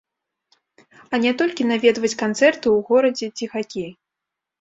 А не толькі наведваць канцэрты ў горадзе ці хакей.